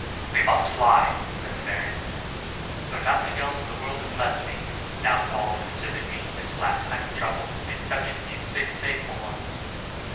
"We must fly," said the Baron; "for nothing else in the world is left me, now that all have deserted me in this black time of trouble, excepting these six faithful ones."